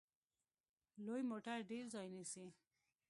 لوی موټر ډیر ځای نیسي.